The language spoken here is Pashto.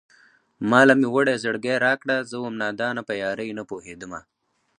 ما له مې وړی زړگی راکړه زه وم نادانه په يارۍ نه پوهېدمه